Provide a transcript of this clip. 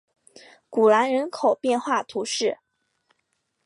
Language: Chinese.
古兰人口变化图示